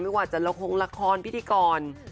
ไม่ว่าจะระโค้งละครพิธีกร